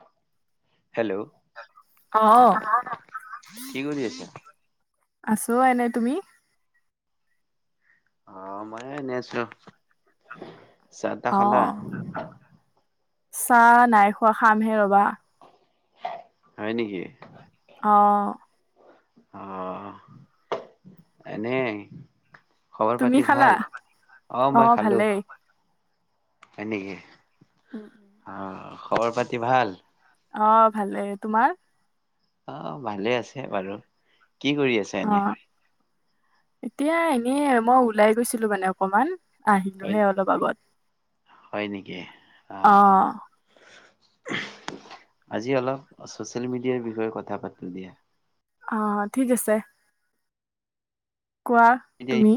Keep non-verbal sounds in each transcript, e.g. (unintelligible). (inaudible) Hello অহ কি কৰি আছে? আছো এনে, তুমি? অ মই ও‌‌ এনে আছো। চাহ-টাহ খালা? অহ চাহ নাই খোৱা খামহে ৰবা। হয় নেকি। অ অ এনে খবৰ তুমি পাতি খালা ভাল? অ মই খালো। হয় নেকি। অ খবৰ পাতি ভাল? অ ভালে। তোমাৰ? অ ভালে আছে বাৰু। কি কৰি আছে অ এনে? এতিয়া এনে মই ওলাই গৈছিলো মানে অকমান। হয় আহিলোহে অলপ আগত হয় নেকি? অ অ আহ। আজি অলপ ছ'চিয়েল মিডিয়াৰ বিষয়ে কথা পাতো দিয়া। অ ঠিক আছে। কোৱা তুমি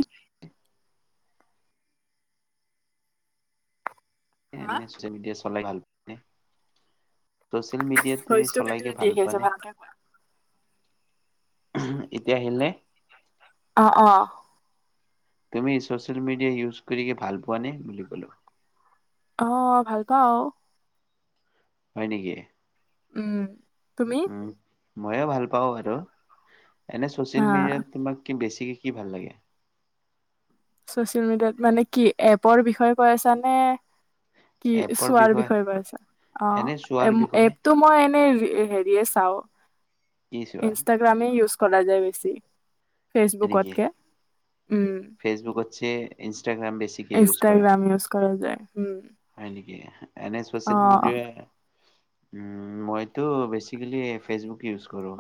(unintelligible) হা (unintelligible) ছ'চিয়েল মিডিয়াত তুমি ভইচটো চলাই কাটি কি কাটি ভাল আহি পোৱা আছে নে। ভালকে কোৱা এতিয়া আহিল নে? অ 'অ' তুমি ছ'চিয়েল মিডিয়া ইউজ কৰিকে ভাল পোৱা নে বুলি ক'লো। আহ ভাল পাওঁ। হয় নেকি উম তুমি? ময়ে ভাল পাওঁ আৰু। এনে হা ছ'চিয়েল মি'ডিয়াত তোমাক কি বেছি কি ভাল লাগে। চচিয়েল মিডিয়াত মানে কি এপৰ বিষয়ে কৈ আছানে। কি চোৱাৰ বিষয়ে কৈ আছা অ এনে এ চোৱাৰ বিষয়ে এপতটো মই এনে হেৰিয়ে চাও কি চোৱা হয় ইনষ্টাগ্ৰামে ইউজ কৰা যায় বেছি নেকি? ফেচবুকতকে উ ফেচবুকতছে ইনষ্টাগ্ৰাম বেছিকে ইউজ কৰা ইনষ্টাগ্ৰাম ইউজ কৰা যায় হয় নেকি? এনে অ সচিয়েল মিডিয়া উ মইতো বেচিকেলি ফেচবুক ইউজ কৰো।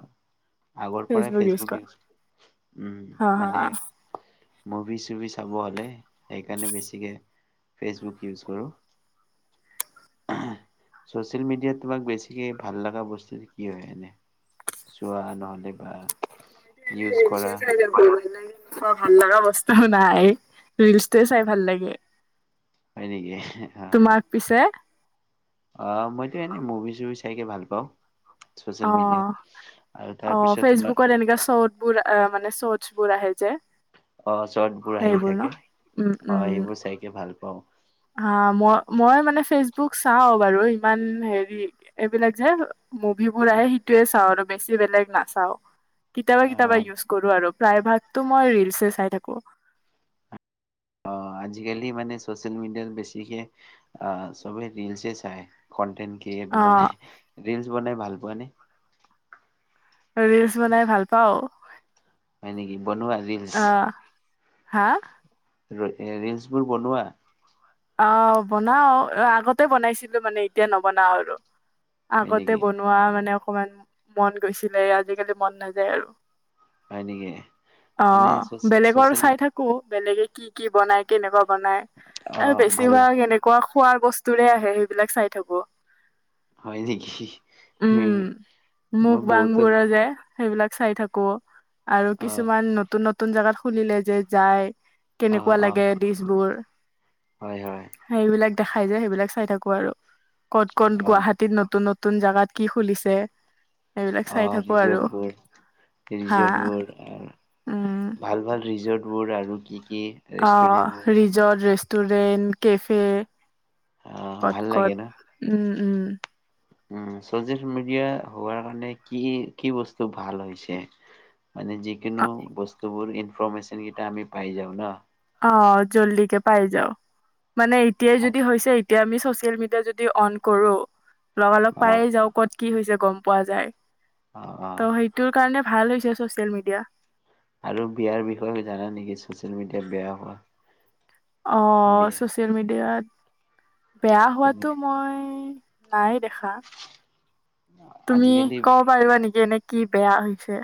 আগৰ পৰাই ফেচবুক ইউজ উম, অ হ মানে মুভি চুভি চাব হ'লে। সেইকাৰণে বেছিকে ফেচবুক ইউজ কৰোঁ চচিয়েল মিডিয়াত তোমাক বেছিকে ভাল লগা বস্তু কি হয় এনে চোৱা নহলে। বা ইউজ কৰা বিশেষ প নে (inaudible) ভাল লগা বস্তু নাই ৰিলচটোোৱে চাই ভাল লাগে। হয় নেকি অ তোমাক পিছে অ মইতো এনে মুভি চুভি চাইকে ভাল পাওঁ। অ ছচিয়েল মিডিয়াত। আৰু অ তাৰপিছত তোমাৰ ফেচবুকৰ এনেকা শ্বট বোৰ মানে স্বৰ্তবোৰ আহে যে অ চৰ্টবোৰ আহি সেইবোৰ ন থাকে উম অ উম সেইবোৰ চাইকে ভাল পাওঁ। হা মই মই মানে ফেচবুক চাও বাৰু ইমান হেৰি এইবিলাক যে মুভিবোৰ আহে সেইটোৱে চাওঁ আৰু বেছি বেলেগ নাচাও। কেতিয়াবা কেতিয়াবা আহ ইউজ কৰো আৰু। প্ৰায় ভাগতো মই ৰীলছে চাই থাকো। অ আজিকালি মানে চচিয়েল মিডিয়াত বেছিকে চবে ৰীলচে চায় কনটেন্ট কি অ এইটো বনাই ৰিলছ বনাই ভাল পোৱা নে? ৰিলছ বনাই ভাল পাওঁ। হয়, নেকি? বনোৱা ৰিলছ আহ হা ৰি-ৰিলছবোৰ বনোৱা? অ', বনাওঁ আগতে বনাইছিলোঁ, মানে এতিয়া নবনাওঁ আৰু। হয় আগতে নেকি? বনোৱা মানে অকমান মন গৈছিলে, আজিকালি মন নাযায় আৰু। হয় নেকি? এনে অ', বেলেগৰ ছচিয়েল চাই থাকোঁ, বেলেগে কি, কি বনাই, কেনেকুৱা বনাই। আৰু অ' ভাল লাগে বেছিভাগ এনেকুৱা খোৱাৰ বস্তুৰে আহে, সেইবিলাক চাই থাকোঁ। হয়, নিকি? মুখ মই বহুতত বাংবোৰ যে সেইবিলাক চাই থাকোঁ। আৰু অ', কিছুমান নতুন, ন নতুন জেগাত খুলিলে যে যায়। অ', কেনেকুৱা অ', লাগে ডিচ বোৰ। হয় হয়। দেখাই যায় সেইবিলাক চাই থাকো আৰু ক'ত কত অ', গুৱাহাটীত নতুন নতুন, নতুন জোগাত কি খুলিছে। এইবিলাক অ চাই থাকো আৰু ৰিজৰ্ট বোৰ হা ৰিজৰ্ট বোৰ উম ভাল ভাল ৰিজৰ্ট। বোৰ আৰু কি। কি অ ৰেষ্টুৰেণ্টবোৰ ৰিজট ৰেষ্ট। Restaurant cafe. অ', ভাল কত লাগে ন? কত উম। উম। উম চচিয়েল মিডিয়া হোৱাৰ কাৰণে কি কি বস্তু ভাল হৈছে? মানে অ যিকোনো বস্তুবোৰ। ইনফৰ্মেশচন কেইটা আমি পাই যাওঁ ন। অ জলদিকে পাই যাও, মানে এতিয়াই অ', যদি হেছে, এতিয়া আমি চচিয়েল মিডিয়া অন কৰো। লগালগ পায় অ', যাওঁ ক'ত কি হৈছে গম পোৱা যায়। অ', ত' সেইটো কাৰণে, ভাল হৈছে ছ'চিয়েল মিডিয়া, আৰু বিয়াৰ বিষয়ে জানা নেকি চোন। চচিয়েল মিডিয়া বেয়া হোৱা। অ বিয়া ছচিয়েল মিডিয়াত বিয়া হোৱাতো তেনেকে মই নাই দেখা তুমি আজিকালি কব পাৰিবা নেকি এনেকে কি বেয়া হৈছে।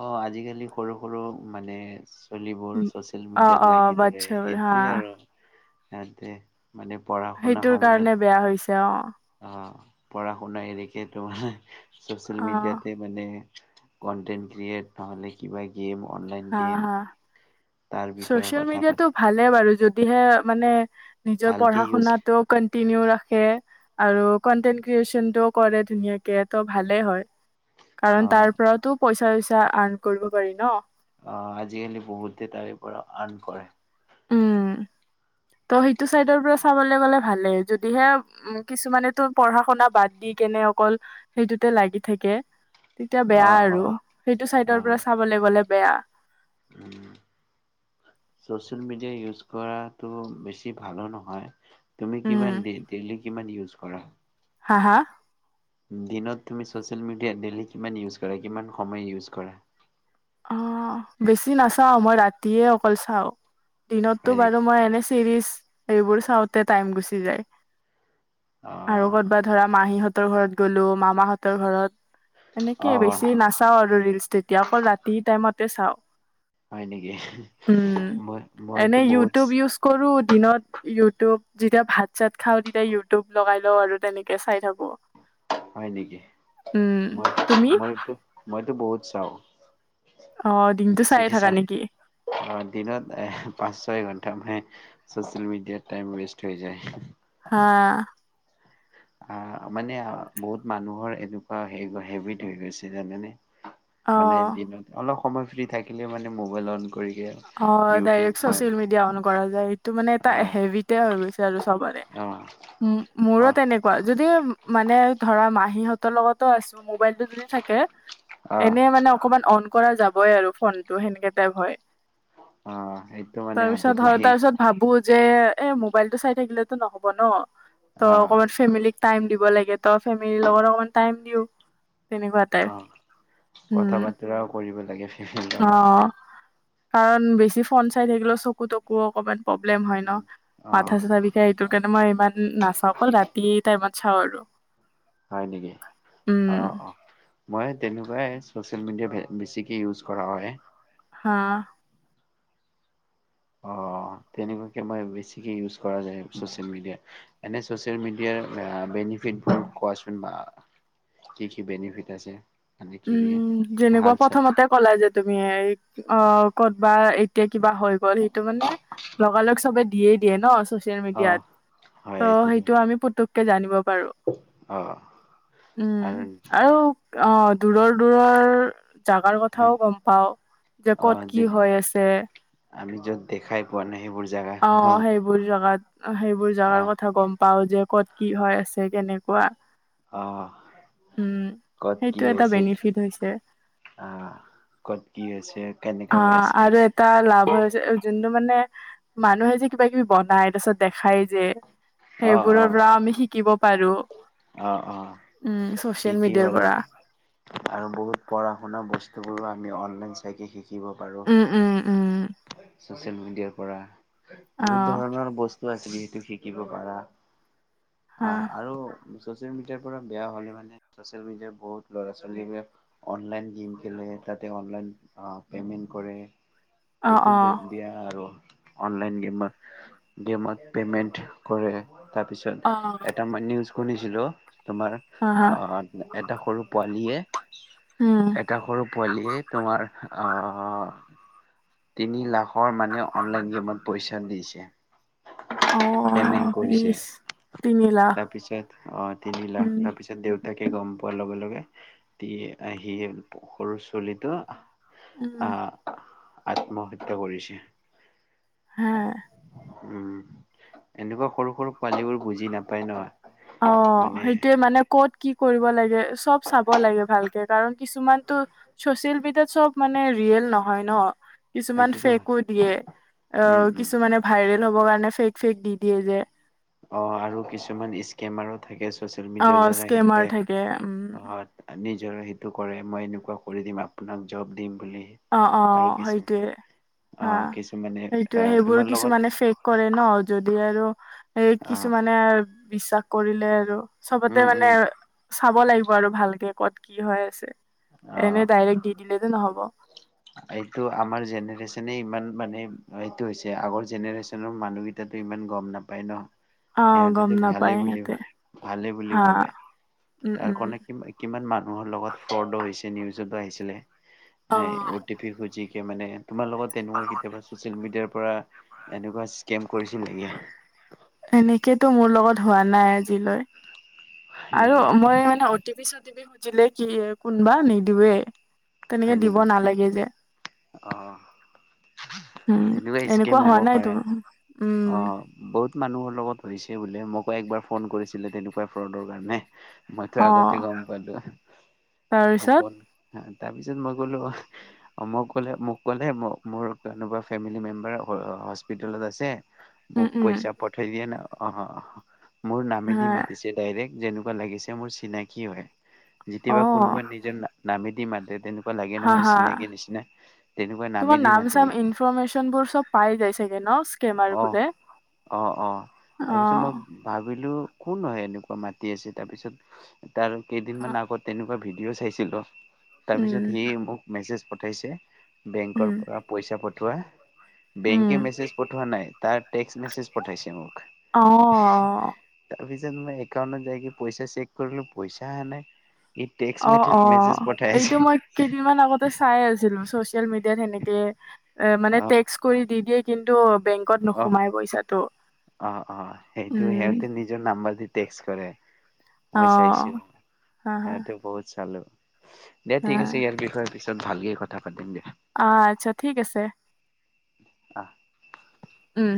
অ আজিকালি সৰু সৰু মানে, চলিবোৰ উম, চচিয়েল অ মিডিয়াত অ লাগি ধৰে বাচ্ছাবোৰ হা সেইটোয়ে আৰু সতে মানে পঢ়া শুনা সময়ত তেওঁ পঢ়া শুনা এনেকেই তো চচিয়েল অ মিডিয়াতে মানে কণ্টইন ক্ৰিয়েট নহলে গেম অননলাইন গেম তাৰ বিষয়ে চচিয়েল কথা মিডিয়াটো পাতে ভালে বাৰু যদি দেহে মানে নিজৰ ভালকে পঢ়া ইউজ শুনাতো ৰাখে আৰু কনটেন ক্ৰেচন কৰে ধুনীয়াকে ত' ভালে হয়। অ কাৰণ তাৰ পৰাতো পইচা আৰ্ন কৰিব পাৰি ন আহ আজিকালি বহুতে তাৰে পৰা আৰ্ন কৰে। উম ত সেইটো চাইডৰ পৰা চাবলে গলে ভালে যদিহে উ কিছুমানে তো পঢ়া শুনা বাদ দি কেনে অকল সেইটোতে লাগি থাকে। তেতিয়া অ বেয়া অ আৰু সেইটো চাইডৰ পৰা চাবলৈ গ'লে। বেয়া। উ চচিয়েল মিডিয়া ইউজ কৰাটো বেছি ভালো নহয়। তুমি উম কিমান ডেইলি কিমান ইজ কৰা হা হা দিনত তুমি ছচিয়েল মিডিয়া দেইলি কিমান ইওজ কৰা কিমান সময় ইওজ কৰা। অ বেছি নাচাও, মই ৰাতিয়ে অকল চাওঁ। দিনততো হয় বাৰু নেকি মই এনে চিৰিজ। এইবোৰ চাওঁতে টাইম গুচি যায়। অ আৰু কৰ'বাত ধৰা মাহীহঁত। হতৰ ঘৰত গ'লো মামাহঁতৰ ঘৰত। এনেকে অ বেছি নাচাও আৰু ৰিলচ তেতিয়া আকৌ ৰাতি। মতে চাওক। হয় নেকি, মই মই এনে টো বহুত। ইউটিউব ইউজ কৰো দিনত ইউটিউব যেতিয়া ভাত চাত খাও তেতিয়া ইউটিউব লগাই লওঁ আৰু তেনেকে চাই থাকো। হয় নেকি উম মই তুমি মইতো মই। টো বহুত চাওঁ। অ দিনটো চাইয়ে বেছিকৈ থাকা চা নেকি অ দিনত এ পাঁচ ছয় ঘন্টা। তামানে ছচিয়েল মিডিয়াত ৱেষ্ট হৈ যায়। হা। অ মানে বহুত মানুহৰ এনেকুৱা হ হেবিট হৈ গৈছে জানেনে। অ মানে দিনত অলপ সময় ফ্ৰী থাকিলে মানে মোবাইল অন কৰি অ ইউটিউব ডাইৰেক্ট্ৰ অ চচিয়েল মিডিয়া অন কৰা যায় এইটো মানে এটা হেবিট হৈ গৈছে আৰু চব। অ উ মোৰো অ তেনেকুৱা যদি মানে ধৰা মাহিহঁতৰ লগতো আছো মোবাইলতটো যদি থাকে অ এনেই মানে অকমান অন কৰা যাবই আৰু ফোন টো সেনেকে টাইপ হয়। অ এইটোমানে তাৰপিছত আদত হয় আহিল তাৰপিছত ভাবো যে এ মোবাইল টো চাই থাকিলেতো নহ'ব ন। ত অ অকনমান ফেমেলি টাইম দিব লাগে তই ফেমিলিৰ লগত অকমান টাইম দিও। তেনেকুৱা টাইপ অ উম, কথা বাৰ্তৰাও কৰিব লাগে। (unintelligible) অ', কাৰণ বেছি ফন চাই থাকিলেও চকু তকু অকমান, প্ৰবলেম হয় ন অ মাথা চাথা বিষায় এইটোৰ কাৰণে মই ইমান নাচাওঁ ক'ল ৰাতি টাইমত। ছাও আৰু হয় নেকি উম, অ অ, মই তেনেকুৱাই চচিয়েল মিডিয়া বেছিকে ইউজ কৰা হয়। হা। অ' তেনেকুৱাকে মই বেছিক ইউজ কৰা যায় চ'চিয়েল মিডিয়াৰ বেনিফিট কোৱাচোন বা কি- কি বেনিফিট আছে? মানে কি কি উম, যেনেকুৱা ভাল চাই প্ৰথমতে ক'লে যে তুমি অ' ক'তবা এতিয়া কিবা হৈ গ'ল সেইটো মানে লগালগ চবে দিয়ে দিয়ে ন। চ'চিয়েল অ মিডিয়াত হয় ত' এইটোতো সেইটো আমি পুতেককে জানিব পাৰো অ উম আৰু আৰু। অঁ। দূৰৰ- দূৰৰ জাগাৰ অ কথাও গম পাও যে অ ক'ত কি হৈ আছে। আমি য'ত দেখাই পোৱা নাই সেইবোৰ। অ' সেইবোৰ জেগাত। অ' সেইবোৰ অ জাগাৰ কথা গম পাও যে ক'ত কি হৈ আছে কেনেকুৱা? আহ উম, কত কি সেইটো এটা হৈছে, বেনিফিট হৈছে। আহ কত কি হৈছে? কেনেকে হৈ অ' আছে আৰু এটা লাভৰ হৈছে মানে মানুহে যে কিবা - কিবি বনাই তাৰপিছত দেখাই যে, অ অ সেইবোৰৰ পৰা আমি শিকিব পাৰো। অ', অ' উম চচিয়েল ঠিকেই মিডিয়াৰ বাৰু পৰা আৰু বহুত পঢ়া শুনা বস্তু। বস্তুবোৰো আমি অনলাইন চাই শিক শিকিব পাৰো। উম উম উম চচিয়েল মিডিয়াৰ পৰা অ বহুত ধৰণৰ বস্তু আছে যিহেতু শিকিব পাৰা হা অ' আৰু ছচিয়েল মিডিয়াৰ পৰা বেয়া হ'লে মানে চ'চিয়েল মিডিয়াৰ বহুত ল'ৰা ছোৱালীয়ে অনলাইন গেম খেলে তাতে অনলাইন পেমেণ্ট কৰে। অ সেইটো অ বেয়া আৰু অনলাইন গেম, গেমত পেমেণ্ট কৰে। অ তাৰপিছত এটা মই নিউজ শুনিছিলো। তোমাৰ হা হা অ' এটা সৰু উম পোৱালীয়ে এটা সৰু পোৱালিয়ে তোমাৰ আহ তিনি লাখৰ মানে অনলাইন গেমত পইচা দিছে। অ প্ৰেমেণ্ট কৰিছে ইচ তিনি লাখ তাৰপিছত আহ তিনি উম লাখ তাৰপিছত দেউ, তাকে গম পোৱাৰ লগে লগে আহি সৰু ছোৱালীটো, উম আহ আহ, আত্মহত্যা কৰিছে। হা, উম এনেকুৱা সৰু সৰু পোৱালী বোৰ বুজি নাপায় ন। অ মানে সেইটোৱে মানে ক'ত। কি কৰিব লাগে চব চাব লাগে ভালকে কাৰণ কিছুমানতো চচিয়েল মিডিয়াত চব মানে ৰিয়েল নহয় ন। কিছুমান সেইটোতো হয়। ফেকো দিয়ে অ উম উম। কিছুমানে ভাইৰেল হ'ব কাৰণে। ফেক ফেক দি দিয়ে যে। অ আৰু কিছুমান স্কেমাৰো থাকে। চছিয়েল অ মিডিয়া দ্বাৰা স্কেমাৰ সেতে থাকে উম (unintelligible) নি সেইটো কৰে মই এনেকুৱা কৰি দিম আপোনাক জব দিম। বুলি অ অ আৰু কিছু সেইটোৱে হা আহ কিছুমানে সেইটোৱে আহ তোমাৰ সেইবোৰ লগত কিছুমানে ফেক কৰে ন যদি আৰু এই আহ কিছুমানে বিশ্বাস কৰিলে আৰু চবতে উম মানে উম চাব লাগিব আৰু ভালকে। ক'ত কি হৈ আছে। অ এনেই ডাইৰেক্ট দি দিলে নে নহ'ব। এইটো আমাৰ জেনেৰেচনে ইমান মানে এইটো হৈছে আগৰ জেনেৰেশ্যনৰ মানুহকেইটো ইমান গম নাপায় ন। অ গম সিহঁতেতো নাপায় ভালেই বুলি সিহঁতে ভালেই বুলি হা ভাবে। উম তাৰ উম কনে কিমা কি কিমান মানুহৰ লগত ফৰ্দ হৈছে নিউজতো আহিছিলে। অ এই ঔ টি পি খুজি এ, মানে তোমাৰ লগত তেনেকুৱা কিবা চছিয়েল মেডিয়াৰ পৰা, তেনেকুৱা স্কেম কৰিছিল এনেকেতো নেকি? মোৰ লগত হোৱা নাই আজিলৈ। হয় আৰু নেকি? মই এনে অ টি পি চ টি পি সু দিলে কি কোনবা নিদোৱে। তেনেকে হয় দিব নেকি? নালাগে যে। অ' উম, তেনেকুৱা স্কেম এনেকুৱা হোৱা হ'ব নাইতো পাৰে। উম। অ' বহুত মানুহৰ লগত হৈছে বোলে, মোকো একবাৰ ফোন কৰিছিলে তেনেকুৱা ফ্ৰডৰ কাৰণে। মইতো অ আগতে গম তাৰপিছত পালো। তাৰপিছত মই ক'লো, মই ক'লে মোক ক'লে ম মোৰ কোনোবা ফেমিলি মেম্বাৰ অ, হস্পিতেলত আছে উম মোক উম পইচা পঠাই দিয়া অহ। মোৰ নামেদি হা মাতিছে ডাইৰেক্ট। যেনেকুৱা লাগিছে মোৰ চিনাকি হয়। অ যেতিয়াবা কোনোবা নিজৰ না-না দিম (inaudible) হা, হা, তেনেকুৱা তোমাৰ নামেদি নাম মাতিলে চাম ইনফৰৰ্মেশচন বোৰ চব পাই যাই চাগে ন? অহ কেমাৰবোৰে, অ অ তাৰপিছত মই অ'। (unintelligible) কোন হয়? এনেকুৱা মাতি আছে তাৰ পিছত তাৰ কেইদিনমান আগত তেন ভিডিঅ' চাইছিলোঁ। উম তাৰপিছত সি মোক মেছ পঠাইছে উম বেংকৰ পৰা পইচা পঠোৱা উম বেংকে মেছ পঠোৱা নাই, তাৰ টেক্স মেছেজ পথাইছে মোক। অ অ তাৰপি দেন মাই এউণ্টত যাই পইচা চেক কৰিলোঁ পইচা আহা নাই। ই টেক্স অ', অ', মেছেজ পঠাই এইটো আছে মই কেইদিনমান আগতে চাই আছিলো, চচিয়েল মিডিয়াত সেনেকে। এ, মানে টেক্স কৰি দি কিন্তু বেংকত অ', নোসোমাই পইচাটো অ', অ', সেইটোৱে উম সিহঁতে নিজৰ নাম্বাৰ দি টেক কৰে। অ মই চাইছো হা হা সিহঁতে বহুত চালো। দে হা ঠিক আছে ইয়াৰ বিষয়ে পিছত ভালকে কথা পাতিম দে। অ আচ্ছা ঠিক আছে। আহ। উম।